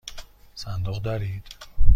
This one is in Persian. صندوق دارید؟